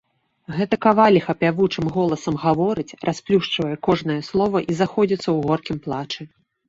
Гэта каваліха пявучым голасам гаворыць, расплюшчвае кожнае слова і заходзіцца ў горкім плачы.